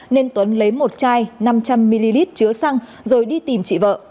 nên tuấn lấy một chai năm trăm linh ml chứa xăng rồi đi tìm chị vợ